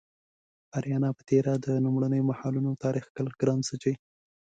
د اریانا په تیره د لومړیو مهالونو تاریخ کښل ګران څه چې